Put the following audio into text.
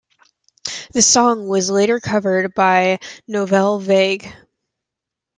The song was later covered by Nouvelle Vague.